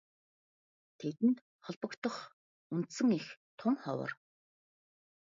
Тэдэнд холбогдох үндсэн эх тун ховор.